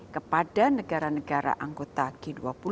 kepada negara negara anggota g dua puluh